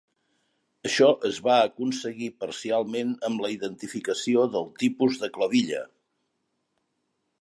Això es va aconseguir parcialment amb la identificació del tipus de clavilla.